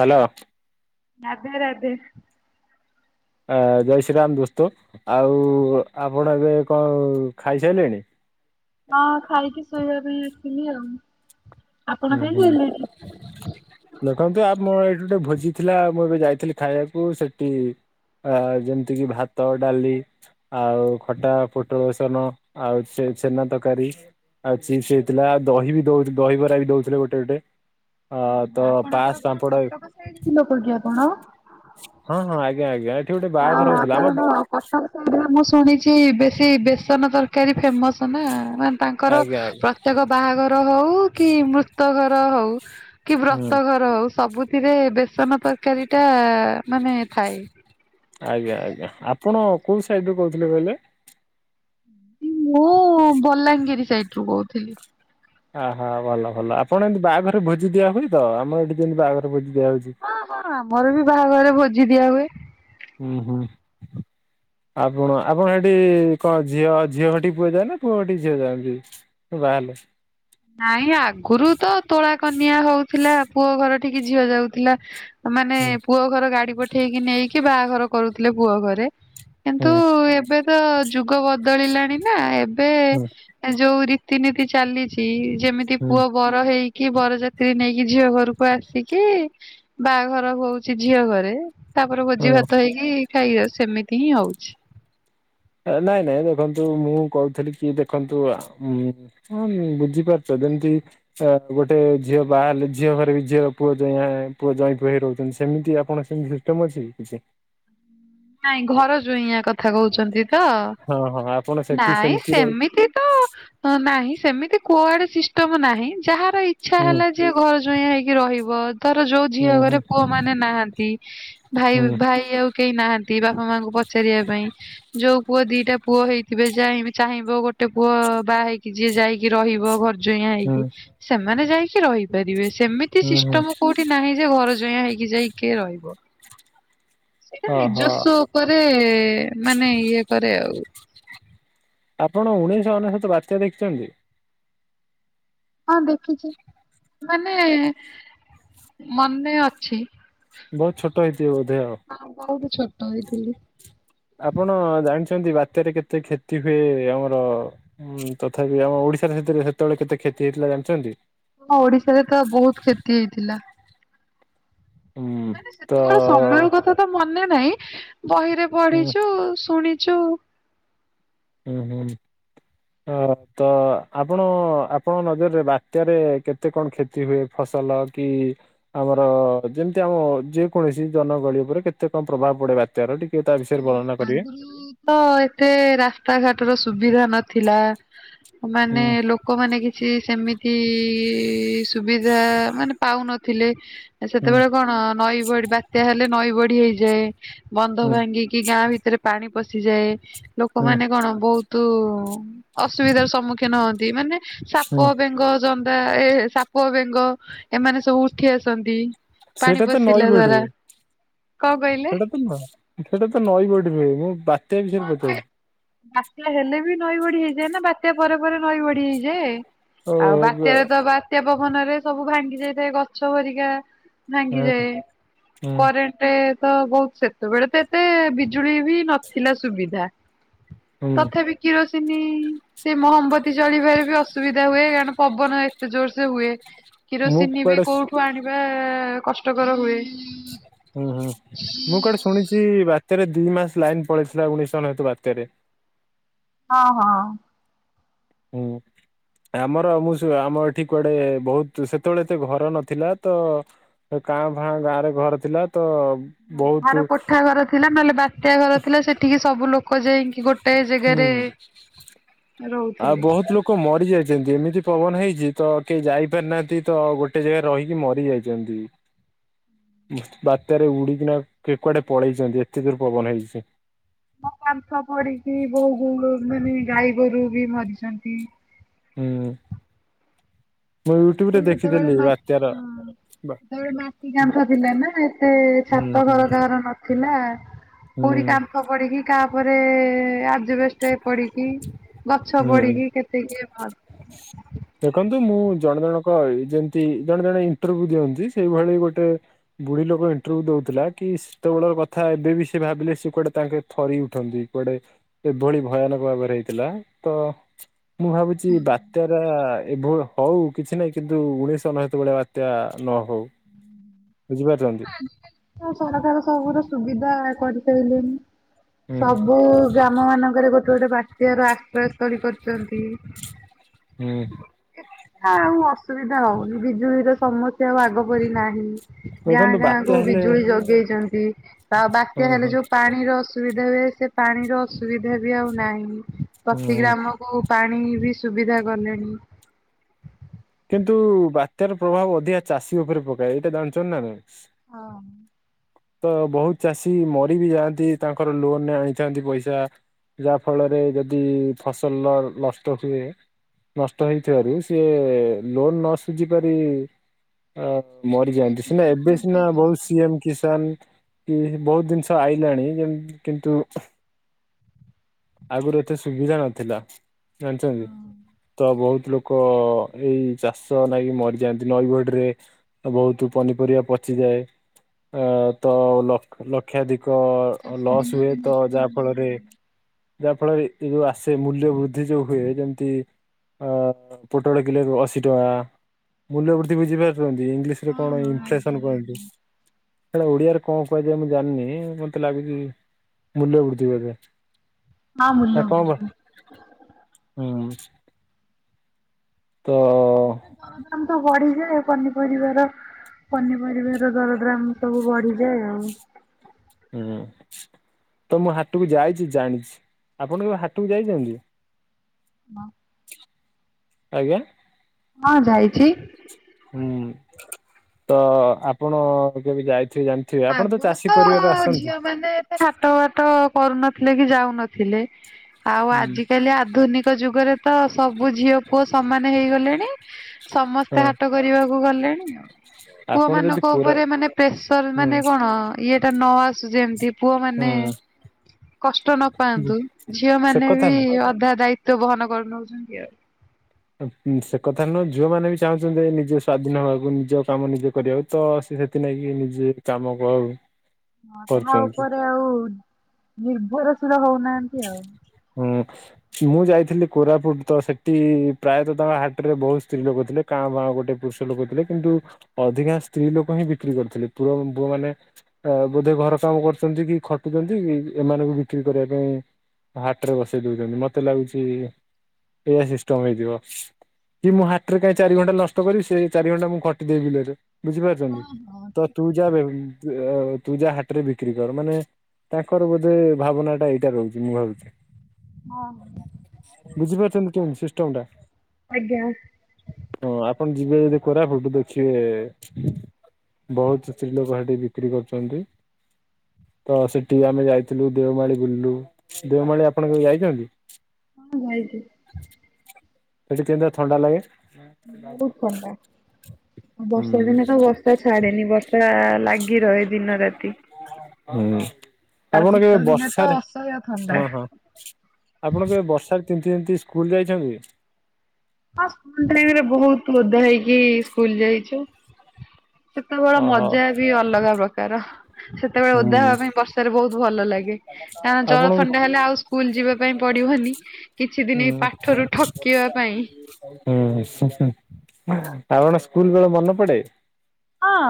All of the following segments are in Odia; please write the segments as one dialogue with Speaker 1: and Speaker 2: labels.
Speaker 1: ହ୍ୟାଲୋ
Speaker 2: ରାଧେ ରାଧେ
Speaker 1: ଆ ଜୟ ଶ୍ରୀରାମ ଦୋସ୍ତ ଆଉ ଆପଣ ଏବେ କଣ ଖାଇସାରିଲେଣି।
Speaker 2: ହଁ ଖାଇକି ଶୋଇବା ପାଇଁ ଆସିଲି ଆଉ- ଆପଣ
Speaker 1: ହୁଁ ହୁଁ
Speaker 2: ଖାଇସାରିଲେଣି?
Speaker 1: ଦେଖନ୍ତୁ ଆ ମୋ ଏଇଠି ଗୋଟେ ଭୋଜି ଥିଲା ମୁଁ ଏବେ ଯାଇଥିଲି ଖାଇବାକୁ ସେଠି- ଆ ଯେମିତି କିି ଭାତ, ଡାଲି, ଆଉ ଖଟା, ପୋଟଳ ବେସନ, ଆଉ ଛେନା ତରକାରୀ- ଆଉ ଚିପ୍ସ ହେଇଥିଲା ଆଉ ଦହି ବି ଦହିବରା ବି ଦଉଥିଲେ ଗୋଟେ ଗୋଟେ- ଅ ତ
Speaker 2: ଆପଣଙ୍କର
Speaker 1: ପାସ୍
Speaker 2: କଣ
Speaker 1: ପାମ୍ପଡ
Speaker 2: କଟକ ସାଇଡ କିଲୋ କରୁଛି ଆପଣ-
Speaker 1: ହଁ ହଁ ଆଜ୍ଞା ଆଜ୍ଞା ଏଠି ଗୋଟେ ବାହାଘର ହଉଥିଲା ଆମ-
Speaker 2: ଆଉ ମୁଁ ଶୁଣିଛି ବେଶୀ ବେସନ ତରକାରୀ ଫେମସ ନା ମ- ତାଙ୍କର
Speaker 1: ଆଜ୍ଞା ଆଜ୍ଞା
Speaker 2: ପ୍ରତ୍ୟେକ ବାହାଘର ହଉ କି ମୃତ ଘର ହଉ, କି
Speaker 1: ହୁଁ
Speaker 2: ବ୍ରତଘର ହଉ ସବୁଥିରେ ବେସନ ତରକାରୀ ଟା ମାନେ ଥାଏ।
Speaker 1: ଆଜ୍ଞା ଆଜ୍ଞା ଆପଣ କୋଉ ସାଇଡ ରୁ କହୁଥିଲେ କହିଲେ।
Speaker 2: ମୁଁ ବଲାଙ୍ଗିର ସାଇଡ ରୁ କହୁଥିଲି।
Speaker 1: ଆହୋ ଭଲ ଭଲ ଆପଣ ଏମତି ବାହାଘରେ ଭୋଜି ଦିଆ ହୁଏ ତ ଆମର ଏଠି ଯେମିତି ବାହାଘରେ ଭୋଜି ଦିଆ ହଉଛି।
Speaker 2: ଆମର ବି ବାହାଘର ଭୋଜି ଦିଆ ହୁଏ।
Speaker 1: ହୁଁ ହୁଁ। ଆପଣ ଆପଣ ସେଠି କଣ ଝିଅ ଝିଅ ସେଠି ପୁଅ ଯାଏ ନା ପୁଅଠିକି ଝିଅ ଯାଆନ୍ତି। ବାହା ହେଲେ
Speaker 2: ନାଇଁ ଆଗରୁ ତ ତୋଳା କନିଆ ହଉଥିଲା ପୁଅ ଘର ଠିକି ଝିଅ ଯାଉଥିଲା। ମାନେ
Speaker 1: ହୁଁ
Speaker 2: ପୁଅ ଘର ଗାଡି ପଠେଇକି ନେଇକି ବାହାଘର କରୁଥିଲେ ପୁଅ ଘରେ-
Speaker 1: ହୁଁ
Speaker 2: କିନ୍ତୁ ଏବେ ତ ଯୁଗ ବଦଳିଲାଣି ନା ଏବେ-
Speaker 1: ହୁଁ
Speaker 2: ଯୋଉ ରୀତିନୀତି ଚାଲିଛି ଯେମିତି ପୁଅ? ବର ହେଇକି ବରଯାତ୍ରୀ ନେଇକି ଝିଅ ଘରକୁ ଆସିକି- ବାହାଘର ହଉଛି ଝିଅ ଘରେ ତାପରେ ଭୋଜି
Speaker 1: ହୁଁ।
Speaker 2: ଭାତ ହେଇକି ଖାଇକି ଯାଉଛି ସେମିତି ହିଁ ହଉଛି।
Speaker 1: ନାଇଁ ନାଇଁ ଦେଖନ୍ତୁ ମୁଁ କହୁଥିଲି କି ଦେଖନ୍ତୁ। ହଁ ବୁଝିପାରୁଛ ଯେମିତି- ଅ ଗୋଟେ ଝିଅ ବାହା ହେଲେ ଝିଅ ଘରେ ବି ଝିଅର ପୁଅ ପୁଅ ଜଇଁ ପୁଅ ହେଇ ରହୁଛନ୍ତି ସେମିତି ଆପଣ ସେମିତି- ଅଛି କି କିଛି-
Speaker 2: ନାଇଁ ଘର ଯୋୟନ୍ କଥା କହୁଛନ୍ତି। ତ
Speaker 1: ହଁ ହଁ ଆପଣ ସେଠି
Speaker 2: ନାଇଁ
Speaker 1: ରହୁ
Speaker 2: ସେମିତି ତ- ହଁ ନାହିଁ ସେମିତି କୁଆଡେ ସିଷ୍ଟମ ନାହିଁ ଯାହାର ଇଚ୍ଛା
Speaker 1: ହୁଁ
Speaker 2: ହେଲା। ଯିଏ ଘର ଯୋୟାନ ହେଇକି ରହିବ। ତାର ଯୋଉ ଝିଅ
Speaker 1: ହୁଁ
Speaker 2: ଘରେ
Speaker 1: ହୁଁ
Speaker 2: ପୁଅ ମାନେ ନାହାନ୍ତି ଭାଇ
Speaker 1: ହୁଁ
Speaker 2: ଭାଇ ଆଉ କେହି ନାହାନ୍ତି। କି ବାପା ମାଙ୍କୁ ପଚାରିବା ପାଇଁ ଯୋଉ ପୁଅ ଦିଟା ପୁଅ ହେଇଥିବେ ଯହି ଚାହିଁବ ଗୋଟେ ପୁଅ ବାହା ହେଇକି ଯିଏ ଯାଇକି ରହିବ ଘରେ। ଜୋୟାଁ
Speaker 1: ହୁଁ
Speaker 2: ହେଇକି ସେମାନେ ଯାଇକି ରହିପାରିବେ ସେମିତି
Speaker 1: ହୁଁ ହୁଁ।
Speaker 2: ସିଷ୍ଟମ କୋଉଠି ନାହିଁ ଯେ ଘର ଜୋୟାଁ ହେଇକି ଯାଇକି ରହିବ ସେଇଟା
Speaker 1: ଓହୋ
Speaker 2: ନିଜସ୍ଵ କରେ ମାନେ ଇଏ କରେ ଆଉ।
Speaker 1: ଆପଣ ଉଣେଇଶହ ଅନେଶ୍ୱତ ବାତ୍ୟା ଦେଖିଛନ୍ତି?
Speaker 2: ହଁ ଦେଖିଛି ମାନେ ମନେ ଅଛି।
Speaker 1: ବହୁତ ଛୋଟ ହେଇଥିବେ ବୋଧେ ଆଉ।
Speaker 2: ଆ ବହୁତ ଛୋଟ ହେଇଥିଲି।
Speaker 1: ଆପଣ ଜାଣିଛନ୍ତି ବାତ୍ୟାରେ କେତେ କ୍ଷତି ହୁଏ ଆମର? ହୁଁ ତଥାପି ଆମ ଓଡିଶାରେ ସେଥିରେ ସେତେବେଳେ କେତେ କ୍ଷତି ହେଇଥିଲା ଜାଣିଛନ୍ତି?
Speaker 2: ହଁ ଓଡିଶାରେ ତ ବହୁତ କ୍ଷତି ହେଇଥିଲା।
Speaker 1: ହୁଁ
Speaker 2: ମାନେ
Speaker 1: ତ
Speaker 2: ସେତେବେଳେ ସମୟର କଥା ତ ମନେ ନାହିଁ ବହିରେ
Speaker 1: ହୁଁ
Speaker 2: ପଢିଛୁ ଶୁଣିଛୁ
Speaker 1: ହୁଁ ହୁଁ। ହଁ ତ ଆପଣ ଆପଣଙ୍କ ନଜରରେ ବାତ୍ୟାରେ କେତେ କଣ କ୍ଷତି [unintelligible] ଫସଲ କି ଆମର ଯେମିତି ଆମ ଯେ କୌଣସି ଜନଗହଳି ଉପରେ କେତେ କଣ ପ୍ରଭାବ ପଡେ ବାତ୍ୟା ତେର ଟିକିଏ ତା ବିଷୟରେ ବର୍ଣନା କରିବେ
Speaker 2: ତ ଏତେ ରାସ୍ତାଘାଟର ସୁବିଧା ନଥିଲା ମାନେ
Speaker 1: ହୁଁ
Speaker 2: ଲୋକମାନେ କି ଛି ସେମିତି ସୁବିଧା ମାନେ ପାଉନଥିଲେ।
Speaker 1: ହୁଁ
Speaker 2: ସେତେବେଳେ କଣ ନଈ ବଡି ବାତ୍ୟା ହେଲେ ନଈ ବଢି ହେଇଯାଏ ବନ୍ଧ
Speaker 1: ହୁଁ
Speaker 2: ଭାଙ୍ଗି କି ଗାଁ ଭିତରେ ପାଣି ପଶିଯାଏ
Speaker 1: ହୁଁ
Speaker 2: ଲୋକମାନେ କଣ ବହୁତ ଅସୁବିଧାର ସମ୍ମୁଖୀନ ହୁଅନ୍ତି ମାନେ ସାପ
Speaker 1: ହୁଁ
Speaker 2: ବେଙ୍ଗ ଜନ୍ ଏ ସାପ ବେଙ୍ଗ ଏମାନେ ସବୁ ଉଠି ଆସନ୍ତି। ପାଣି
Speaker 1: ସେଇଟା ତ ନଈ
Speaker 2: ପଶିଲା ଦ୍ଵାରା କଣ କହିଲେ?
Speaker 1: ସେପଟେ ତ ନଈ ବଢି ହୁଏ ମୁଁ ବାତ୍ୟା ବିଷୟରେ ପଚାରଛିି
Speaker 2: ବାତ୍ୟା ହେଲେ ବି ନଈ ବଢି ହେଇଯାଏ ନା ବାତ୍ୟା ପରେ ପରେ ନଈ ବଢି ହେଇଯାଏ।
Speaker 1: ଓ
Speaker 2: ଆଉ ବାତ୍ୟାରେ ତ ବାତ୍ୟା ପବନରେ ସବୁ ଭାଙ୍ଗି ଯାଇଥାଏ ଗଛ ଭରିକା
Speaker 1: ହଁ
Speaker 2: ଭାଙ୍ଗିଯାଏ
Speaker 1: ହୁଁ
Speaker 2: କରେନ୍ ଗୋଟେ ତ ବହୁତ ସେତେବେଳେ ତ ଏତେ ବିଜୁଳି ବି ନ ଥିଲା ସୁବିଧା। ତଥାପି କିରୋସିନୀ ସେ ମହମବତି ଜଳିବାରେ ବି ଅସ୍ ଅସୁବିଧା ହୁଏ କାରଣ ପବନ ଏତେ ଜୋର ସେ ହୁଏ
Speaker 1: ହୁଁ ମୁଁ
Speaker 2: କିରୋସିନି ବି
Speaker 1: କୁଆଡେ
Speaker 2: କୋଉଠୁ ଆଣିବୁ [unintelligible] କଷ୍ଟକର ହୁଏ।
Speaker 1: ହୁଁ ହୁଁ ମୁଁ କୁଆଡେ ଶୁଣିଛି ବାତ୍ୟାରେ ଦି ମାସ ଲାଇନ ପଳେଇଥିଲା ଉଣେଇଶ ଅନେଶୋତ ବାତ୍ୟାରେ।
Speaker 2: ହଁ ହଁ।
Speaker 1: ହୁଁ। ଆମର ମୁଁ ଆମ ଏଠି କୁଆଡେ ବହୁତ ସେତେବେଳେ ଏତେ ଘର ନଥିଲା ତ ସେ କାଁ ଫାଁ ଗାଁ ରେ ଘର ଥିଲା ତ ବହୁତ
Speaker 2: ଯାହାର କୋଠା ଘର ଥିଲା ନହେଲେ ବାତ୍ୟା ଘର ଥିଲା ସେଠିକି ସବୁ ଲୋକ ଯାଇକି ଗୋ
Speaker 1: ହୁଁ ହୁଁ। ଆଉ
Speaker 2: ରହୁଥିଲେ।
Speaker 1: ବହୁତ ଲୋକ ଲୋକ ମରି ଯାଇଛନ୍ତି ଏମିତି ପବନ ହେଇଛି ତ କେହି ଯାଇପାରିନାହାନ୍ତି ତ ଗୋଟେ ଜାଗାରେ ରହିକି ମରି ଯାଇଛନ୍ତି। ବାତ୍ୟାରେ ଉଡିକିନା କିଏ କୁଆଡେ ପଳେଇଛନ୍ତି ଏତେ ଦୂର ପବନ ହେଇଛି।
Speaker 2: ମୋ କାନ୍ଥ ପଡିକି [unintelligible] ମାନେ ଗାଈ ଗୋରୁ ବି ମରିଛନ୍ତି।
Speaker 1: ହୁଁ। ମୁଁ ୟୁଟ୍ୟୁବରେ ଦେଖିଥିଲି ବାତ୍ୟାର ବା
Speaker 2: ତେବେଳେ ମାଟି କାନ୍ଥ ଥିଲା ନା ଏତେ
Speaker 1: ହୁଁ
Speaker 2: ଛାତ
Speaker 1: ହୁଁ
Speaker 2: ଘର କାହାର ନଥିଲା।
Speaker 1: ହୁଁ।
Speaker 2: ଖ ପଡିକି କାହା ଉପରେ ଆଜବେଷ୍ଟ ପଡିକି ଗଛ
Speaker 1: ହୁଁ।
Speaker 2: ପଡିକି କେତେ କିଏ ମ।
Speaker 1: ଦେଖନ୍ତୁ, ମୁଁ ଜଣ ଜଣକ ଯେମିତି ଜଣେ ଜଣେ ଇଣ୍ଟରଭିୟୁ ଦିଅନ୍ତି ସେଇ ଭଳି ଗୋଟେ। ବୁଢୀ ଲୋକ ଇଣ୍ଟରଭି୍ୟୁ ଦଉଥିଲା କି। ସେତେ ବେଳର କଥା ଏବେବି ସେ ଭାବିଲେ ସିଏ କୁଆଡେ ତାଙ୍କେ ଥରି ଉଠନ୍ତି କୁଆଡେ। ଏଭଳି ଭୟାନକ ଭାବରେ ହେଇଥିଲା ତ ମୁଁ ଭାବୁଚି ବାତ୍ୟାଟା। ଏଭଳି, ହଉ କିଛି ନାହିଁ କିନ୍ତୁ ଉଣେଇଶ ଅନେଶୋତ ଭଳିଆ ବାତ୍ୟା ନ ହଉ। ବୁଝିପାରୁଚନ୍ତି।
Speaker 2: ସରକାର ସବୁୁର ସୁବିଧା କରିସାଇଲେଣି।
Speaker 1: ହୁଁ
Speaker 2: ସବୁ ଗ୍ରାମ ମାନଙ୍କରେ ଗୋଟେ ଗୋଟେ ବାତ୍ୟା ର ଆଶ୍ରୟ ସ୍ଥଳୀ କରିଚନ୍ତି।
Speaker 1: ହୁଁ।
Speaker 2: ଆଉ ଅସୁବିଧା ହଉନି, ବିଜୁଳିର ସମସ୍ୟା ଆଉ ଆଗ ପରି ନାହିଁ। ଗାଁ
Speaker 1: ଦେଖନ୍ତୁ
Speaker 2: ଗାଁ
Speaker 1: ବାତ୍ୟା
Speaker 2: କୁ
Speaker 1: ହେଲେ
Speaker 2: ବିଜୁଳି ଯୋଗେଇଚନ୍ତି, ତ
Speaker 1: ହଁ
Speaker 2: ବାତ୍ୟା ହେଲେ
Speaker 1: ହଁ
Speaker 2: ଯୋଉ ପାଣିର। ଅସୁବିଧା ହୁଏ, ସେ ପାଣିର ଅସୁବିଧା ବି ଆଉ ନାହିଁ ପ୍ରତି
Speaker 1: ହୁଁ।
Speaker 2: ଗ୍ରାମ। ପାଣି ବି ସୁବିଧା କଲେଣି।
Speaker 1: କିନ୍ତୁ ବାତ୍ୟାର ପ୍ରଭାବ ଅଧିକା ଚାଷୀ ଉପରେ ପକାଏ, ଏଇଟା ଜାଣିଚନ୍ତି ନା ନାହିଁ?
Speaker 2: ହଁ।
Speaker 1: ତ ବହୁତ୍ ଚାଷୀ ମରି ବି ଯାଆନ୍ତି ତାଙ୍କର ଲୋନରେ ଆଣିଥାନ୍ତି ପଇସା। ଯାହା ଫଳରେ ଯଦି ଫସଲ ଲ ନଷ୍ଟ ହୁଏ। ନଷ୍ଟ ହେଇଥିବାରୁ ସିଏ। ଲୋନ ନ ସୁୁଝି ପାରି ମରିଯାଆନ୍ତି, ସିନା ଏବେ ସିନା ବହୁତ ସିଏ। କିଷାନ, କି ବହୁତ୍ ଜିନିଷ ଆଇଲାଣି କିନ୍ତୁ। ଆଗୁରୁ ଏତେ ସୁବିଧା ନଥିଲା ଜାଣିଚନ୍ତି, ତ ବହୁତ୍ ଲୋକ ଏଇ। ଚାଷ ନାଗି ମରି ଯାଆନ୍ତି, ନଈ ବଢ଼ିରେ ବହୁତ ପନିପରିବା ପଚି ଯାଏ। ଅ ତ ଲ ଲକ୍ଷାଧିକ।
Speaker 2: ଚାଷ
Speaker 1: ଲସ୍
Speaker 2: ବିଲ
Speaker 1: ହୁଏ
Speaker 2: ବି
Speaker 1: ତ
Speaker 2: ନଷ୍ଟ
Speaker 1: ଯାହା ଫଳରେ। ଯାହା ଫଳରେ ଏ ଯୋଉ ଆସେ ମୂଲ୍ୟ ବୃଦ୍ଧି ଯୋଉ ହୁଏ ଯେମିତି। ଅ ପୋଟଳ କିଲ ଏବେ ଅ। ଟଙ୍କା, ମୂଲ୍ୟ ବୃଦ୍ଧି ବୁଝିପାରୁଚିନ୍ତି ଇଂଲିଶରେ କଣ
Speaker 2: ହଁ ଆଜ୍ଞା
Speaker 1: ଇନଫ୍ଲେସନ କହନ୍ତି।
Speaker 2: ଆଜ୍ଞା।
Speaker 1: ସେଇଟା ଓଡିଆରେ କଣ କୁହାଯାଏ ମୁଁ ଜାଣିନି ମତେ ଲାଗୁଚି ମୂଲ୍ୟ ବୃଦ୍ଧି ବୋଧେ।
Speaker 2: ହଁ ମୂଲ୍ୟ
Speaker 1: କଣ କରୁଚ, ହୁଁ। ତ।
Speaker 2: ଦରଦାମ ତ ବଢିଯାଏ ପନିପରିବାର। ପନିପରିବା ର ଦରଦ୍ରାମ ସବୁ ବଢିଯାଏ ଆଉ।
Speaker 1: ହୁଁ। ତ ମୁଁ ହାଟକୁ ଯାଇଚି ଜାଣିଚି, ଆପଣ କେବେ ହାଟୁକୁ ଯାଇଚନ୍ତି?
Speaker 2: ହଁ।
Speaker 1: ଆଜ୍ଞା।
Speaker 2: ହଁ ଯାଇଚି।
Speaker 1: ହୁଁ, ତ ଆପଣ କେବେ ଯାଇଥିବେ ଜାଣି।
Speaker 2: ଆଗୁରୁ ତ ଝିଅ ମାନେ। ହାଟ ବାଟ କରୁନଥିଲେ କି ଯାଉନଥିଲେ ଆଉ
Speaker 1: ହୁଁ
Speaker 2: ଆଜିକାଲି ଆଧୁନିକ। ଯୁଗରେ ତ ସବୁ ଝିଅ ପୁଅ ସମାନ ହେଇଗଲେଣି। ସମସ୍ତେ
Speaker 1: ହଁ
Speaker 2: ହାଟ। କରିବାକୁ ଗଲେଣି ଆଉ।
Speaker 1: ଆପଣ ଯଦି
Speaker 2: ପୁଅମାନଙ୍କ
Speaker 1: କୋରା
Speaker 2: ଉପରେ ମାନେ ପ୍ରେସର।
Speaker 1: ହୁଁ
Speaker 2: ମାନେ କଣ ଇଏଟା ନ ଆସୁ ଯେମିତି। ପୁଅ ମାନେ
Speaker 1: ହୁଁ
Speaker 2: କଷ୍ଟ ନ ପାଆନ୍ତୁ, ଝିଅ
Speaker 1: ସେ
Speaker 2: ମାନେ
Speaker 1: କଥା
Speaker 2: ବି ଅଧା ଦାୟି। ତ ବହନ କରି ନଉଛନ୍ତି ଆଉ।
Speaker 1: ସେ କଥା ନୁହଁ ଝିଅ ମାନେ ବି ଚାହୁଁଛନ୍ତି ନିଜେ ସ୍ୱାଧୀନ ହବାକୁ ନିଜ କାମ ନିଜେ କରିବାକୁ। ତ ଅଛି ସେଥି ଲାଗି ନିଜେ କାମ
Speaker 2: ହଁ ଅନ୍ୟ
Speaker 1: କରୁଛନ୍ତି।
Speaker 2: ଉପରେ ଆଉ ନିର୍ଭର ଶୀଳ ହଉ ନାହାନ୍ତି ଆଉ।
Speaker 1: ହୁଁ। ମୁଁ ଯାଇଥିଲି କୋରାପୁଟ ତ ସେଠି ପ୍ରାୟତଃ ହାଟରେ ବହୁତ ସ୍ତ୍ରୀ ଲୋକ ଥିଲେ। କାଁ ବାଁ ଗୋଟେ ପୁରୁଷ ଲୋକ ଥିଲେ, କିନ୍ତୁ ଅଧିକା ସ୍ତ୍ରୀ ଲୋକ ହିଁ ବିକ୍ରି କରିଥିଲେ। ପୁଅ ପୁଅ ମାନେ ଆ ବୋଧେ ଘର କାମ କରୁଛନ୍ତି କି ଖଟୁଛନ୍ତି କି ଏମାନଙ୍କୁ ବିକ୍ରି କରିବା ପାଇଁ ହାଟରେ ବସେଇ ଦେଉଛନ୍ତି, ମୋତେ ଲାଗୁଛି ଏଇଆ ସିଷ୍ଟମ ହେଇଥିବ। କି ମୁଁ ହାଟରେ କାହିଁ ଚାରି ଘଣ୍ଟା ନଷ୍ଟ କରିବି ସେ ଚାରି ଘଣ୍ଟା ମୁଁ ଖଟିଦେବି ବିଲରେ। ବୁଝିପାରୁଛନ୍ତି ତ ତୁ ଯାହା ତୁ ଯା ହାଟରେ ବିକ୍ରି କର ମାନେ ତାଙ୍କର ବୋଧେ ଭାବନା ଟା ଏଇଟା ରହୁଛି ମୁଁ ଭାବୁଛି।
Speaker 2: ହଁ।
Speaker 1: ବୁଝିପାରୁଛନ୍ତି କେମିତି ସିଷ୍ଟମ ଟା?
Speaker 2: ଆଜ୍ଞା।
Speaker 1: ହଁ ଆପଣ ଯିବେ ଯଦି କୋରାପୁଟ ଦେଖିବେ। ବହୁତ ସ୍ତ୍ରୀ ଲୋକ ସେଠି ବିକ୍ରି କରୁଛନ୍ତି। ତ ସେଠି ଆମେ ଯାଇଥିଲୁ ଦେଓମାଳି ବୁଲିଲୁ। ଦେଓମାଳି ଆପଣ କେ ଯାଇଛନ୍ତି?
Speaker 2: ଜାଇଛିି।
Speaker 1: [unintelligible] ଥଣ୍ଡା ଲାଗେ।
Speaker 2: ବହୁତ ଥଣ୍ଡା।
Speaker 1: ହୁଁ
Speaker 2: ବର୍ଷା ଦିନେ ତ ବର୍ଷା ବର୍ଷା ଛାଡେନି ବର୍ଷା ଲାଗି ରହେ ଦିନ ରାତି।
Speaker 1: ହୁଁ
Speaker 2: ଆଉ
Speaker 1: ଆପଣ
Speaker 2: ଶୀତ
Speaker 1: କେବେ
Speaker 2: ଦିନେ ତ
Speaker 1: ବର୍ଷାରେ
Speaker 2: ଅସହ୍ୟ ଥଣ୍ଡା।
Speaker 1: ହଁ ହଁ ଆପଣ କେବେ ବର୍ଷା ରେ ତିନ୍ତି ତିନ୍ତି ସ୍କୁଲ ଯାଇଛନ୍ତି?
Speaker 2: ହଁ ସ୍କୁଲ ଟାଇମ ରେ ବହୁତ ଓଦା ହେଇକି ସ୍କୁଲ ଯାଇଛୁ। ସେତେବେଳେ
Speaker 1: ଓହୋ।
Speaker 2: ମଜା ବି ଅଲଗା ପ୍ରକାର ସେ ସେତେବେଳେ ଓଦା
Speaker 1: ହୁଁ।
Speaker 2: ହେବା ପାଇଁ ବର୍ଷାରେ ବହୁତ ଭଲ ଲାଗେ। କାରଣ ଜର
Speaker 1: ଆପଣଙ୍କୁ
Speaker 2: ଥଣ୍ଡା ହେଲେ ଆଉ ସ୍କୁଲ ଯିବା ପାଇଁ ପଡିବନି। କିଛି ଦିନ
Speaker 1: ହୁଁ
Speaker 2: ପାଠରୁ ଠକିବା ପାଇଁ।
Speaker 1: ହୁଁ ଆପଣ ସ୍କୁଲ ବେଳ ମନ ପଡେ?
Speaker 2: ହଁ।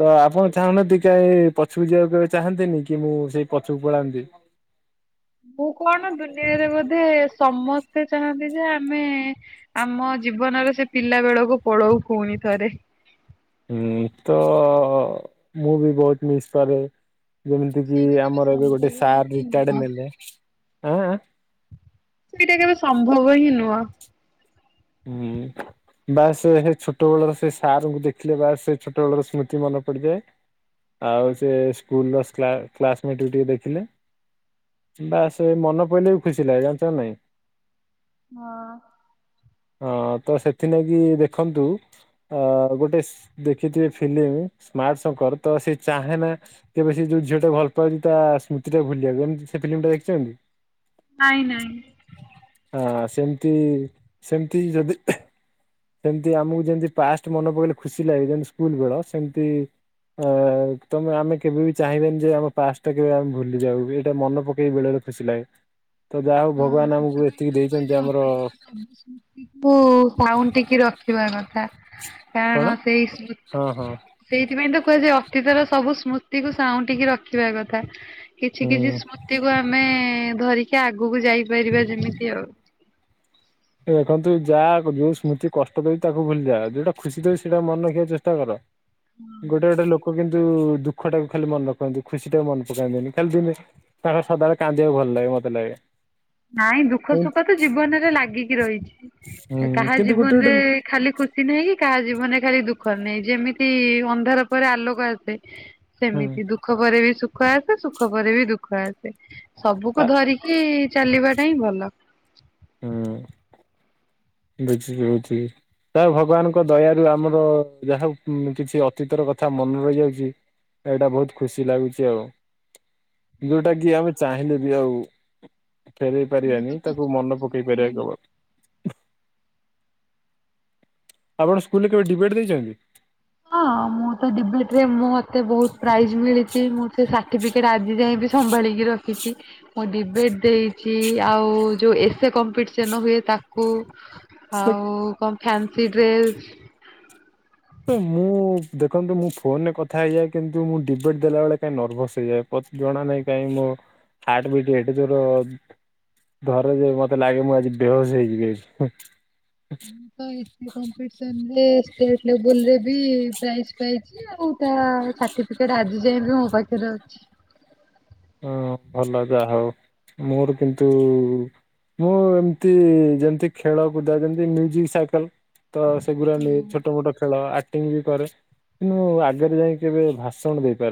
Speaker 1: ତ ଆପଣ ଚାହୁଁନାନ୍ତି କାହିଁ ପଛକୁ ଯିବାକୁ କେବେ ଚାହାଁନ୍ତିନି, କି ମୁଁ ସେଇ ପଛକୁ ପଳାନ୍ତି।
Speaker 2: ମୁଁ କଣ ଦୁନିଆରେ ବୋଧେ ସମସ୍ତେ ଚାହାନ୍ତି ଯେ ଆମେ ଆମ ଜୀବନର ସେ ପିଲା ବେଳକୁ ପଳଉ ପୁଣି ଥରେ।
Speaker 1: ହୁଁ ତ ମୁଁ ବି ବହୁତ ମିସ୍ କରେ। ଯେମିତି କି
Speaker 2: ସେଇଟା କେବେ
Speaker 1: ଆମର ଏବେ ଗୋଟେ
Speaker 2: ସମ୍ଭବ
Speaker 1: ସାର୍
Speaker 2: ହିଁ
Speaker 1: ରିଟାଡ
Speaker 2: ନୁହଁ।
Speaker 1: ନେଲେ ଅଁ
Speaker 2: ସେଇଟା କେବେ ସମ୍ଭବ ହିଁ ନୁହଁ।
Speaker 1: ହୁଁ। ବା ସେ ସେ ଛୋଟ ବେଳର ସେ ସାର୍ଙ୍କୁ ଦେଖିଲେ ବା ସେ ଛୋଟ ବେଳର ସ୍ମୃତି ମନେ ପଡିଯାଏ। ଆଉ ସେ ସ୍କୁଲର କ୍ଲାସମେଟ୍ ଟିକେ ଦେଖିଲେ। ବା ସେ ମନ ପଇଲେ ବି ଖୁସି ଲାଗେ ଜାଣିଛ ନାଇଁ।
Speaker 2: ହଁ।
Speaker 1: ହଁ ତ ସେଥିଲାଗି ଦେଖନ୍ତୁ ଅ ଗୋଟେ ଦେଖିଥିବେ ଫିଲ୍ମ ସ୍ମାର୍ଟ ଶଙ୍କର ତ ସେ ଚାହେଁ ନା କେବେ ସେ ଯୋଉ ଝିଅ ଟା ଭଲ ପାଉଛି ତା ସ୍ମୃତି ଟା ଭୁଲିବାକୁ ହେଲେ ସେ ଫିଲ୍ମ ଟା ଦେଖିଛନ୍ତି?
Speaker 2: ନାଇଁ ନାଇଁ।
Speaker 1: ଆ ସେମିତି ସେମତି ଯଦି। ସେମତି ଆମୁକୁ ଯେମତି ପାଷ୍ଟ ମନେ ପକେଇଲେ ଖୁସି ଲାଗେ ଯେମତି ସ୍କୁଲ ବେଳ ସେମତି। ଅ ତମେ ଆମେ କେବେ ବି ଚାହିଁବେନି ଯେ ଆମ ପାଷ୍ଟ ଟା କେବେ ଆମେ ଭୁଲି ଯାଉ ଏଇଟା ମନ ପକେଇ ବେଳର। ଖୁସି ଲାଗେ ତ ଯାହା ହଉ
Speaker 2: ହଁ
Speaker 1: ଭଗବାନ ଆମୁକୁ
Speaker 2: ସେଥିପାଇଁ
Speaker 1: ଏତିକି ଦେଇଛନ୍ତି ଯେ ଆମର।
Speaker 2: ତିକୁ ସାଉଁଟିକି ରଖିବା କଥା
Speaker 1: କଣ
Speaker 2: କାରଣ ସେଇ ସ୍ମୁ
Speaker 1: ହଁ ହଁ
Speaker 2: ସେଇଥିପାଇଁ ତ କୁହାଯାଏ ଅତୀତର ସବୁ ସ୍ମୃତିକୁୁ ସାଉଁଟିକି ରଖିବା କଥା। କିଛି କିଛି
Speaker 1: ହୁଁ
Speaker 2: ସ୍ମୃତି କୁ ଆମେ ଧରିକି ଆଗକୁ ଯାଇପାରିବା ଯେମିତି ଆଉ।
Speaker 1: ଏ ଦେଖନ୍ତୁ ଯାହା ଯୋଉ ସ୍ମୃତି କଷ୍ଟ ଦଉଚି ତାକୁ ଭୁଲି ଯାଅ ଯୋଉଟା ଖୁସି ଦେଉଚି ସେଇଟା ମନେ ରଖିବାକୁ ଚେଷ୍ଟା କର। ଗୋଟେ ଗୋଟେ ଲୋ କ କିନ୍ତୁ ଦୁଃଖ ଟାକୁ ଖାଲି ମନେ ରଖନ୍ତି ଖୁସି ଟାକୁ ମନେ ପକାନ୍ତିନି ଖାଲି ଦିନେ। ତାଙ୍କର ସଦାବେଳେ କାନ୍ଦିବାକୁ ଭଲ ଲାଗେ ମତେ ଲାଗେ।
Speaker 2: ନାଇଁ ଦୁଃଖ
Speaker 1: ହୁଁ
Speaker 2: ସୁଖ ତ ଜୀବନରେ ଲାଗିକି ରହିଛି ଏ କାହା
Speaker 1: କିନ୍ତୁ ଗୋଟେ
Speaker 2: ଜୀବନରେ।
Speaker 1: ଗୋଟେ
Speaker 2: ଖାଲି ଖୁସି ନାହିଁ କି କାହା ଜୀବନରେ ଖାଲି ଦୁଃଖ ନାହିଁ ଯେମିତି ଅନ୍ଧାର ପରେ ଆଲୋକ ଆସେ।
Speaker 1: [inaudible]
Speaker 2: ସେମିତି ଦୁଃଖ ପରେ ବି ସୁଖ ଆସେ ସୁଖ ପରେ ବି ଦୁଃଖ ଆସେ ସବୁକୁ
Speaker 1: ଆ
Speaker 2: ଧରିକି। ଚାଲିବାଟା ହିଁ ଭଲ।
Speaker 1: ହଁ ବୁଝିଲି ବୁଝିଲି। ତାଉ ଭଗବାନଙ୍କ ଦୟାରୁ ଆମର ଯାହା କିଛି ଅତୀତର କଥା ମନେ ରହିଯାଉଛି। ଏଇଟା ବହୁତ୍ ଖୁସି ଲାଗୁଛି ଆଉ। ଯୋଉଟା କି ଆମେ ଚାହିଁଲେ ବି ଆଉ ଫେରେଇ ପାରିବାନି ତାକୁ ମନେ ପ [unintelligible] ଆପଣ ସ୍କୁଲରେ କେବେ ଡିବେଟ୍ ଦେଇଛନ୍ତି?
Speaker 2: ହଁ ମୁଁ ତ ଡିବେଟ୍ ରେ ମୁଁ ମତେ ବହୁତ ପ୍ରାଇଜ୍ ମିଳିଛି ମୁଁ। ସେ ସାର୍ଟିଫିକେଟ ଆଜି ଯାଏଁ ବି ସମ୍ଭାଳିକି ରଖିଛି। ମୁଁ ଡିବେଟ୍ ଦେଇଛି ଆଉ ଯୋଉ ଏସେ କମ୍ପିଟିସନ୍ ହୁଏ ତାକୁ। ଆଉ କଣ ଫ୍ୟାନ୍ସି ଡ୍ରେସ୍।
Speaker 1: ମୁଁ ଦେଖନ୍ତୁ ମୁଁ ଫୋନରେ କଥା ହେଇଯାଏ କିନ୍ତୁ ମୁଁ ଡିବେଟ୍ ଦେଲା ବଳେ କାହିଁ ନର୍ଭସ୍ ହେଇଯାଏ। ମତେ ଜଣା ନାହିଁ କାହିଁକି ମୋ ହାର୍ଟ ବିଟ ଏଡେ ଜୋର। ଧରେ ଯେ ମତେ ଲାଗେ ମୁଁ ଆଜି ବେହୋସ୍ ହେଇଯିବି।
Speaker 2: ତ ଏସେ କମ୍ପିଟ୍ସନ ଷ୍ଟେଟ ଲେବୁଲରେ ବି ପ୍ରାଇଜ୍ ପାଇଚି। କି ଆଉ କାହା ସାର୍ଟିଫିକେଟ ଆଜି ଯାଏଁବି ମୋ ପାଖରେ ଅଛି।
Speaker 1: ହଁ ଭଲ ଯାହା ହଉ ମୋର କିନ୍ତୁ। ମୁଁ ଏମତି ଯେମତି ଖେଳ କୁଦା ଯେମତି ମ୍ୟୁଜିକ୍ ସାଇକଲ୍। ତ ସେଗୁରା ନେଇ ଛୋଟ ମୋଟ ଖେଳ ଆକଟିଙ୍ଗ ବି କରେ କିନ୍ତୁ ଆଗେରେ ଯାଇ କେବେ ଭାଷଣ ଦେଇପାରେ